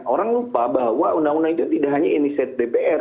orang lupa bahwa undang undang itu tidak hanya inisiatif dpr